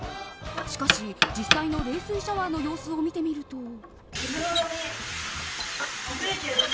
しかし、実際の冷水シャワーの様子を見てみると。